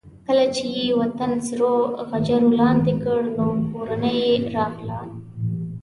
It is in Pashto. کله چې یې وطن سرو غجرو لاندې کړ نو کورنۍ یې راغله.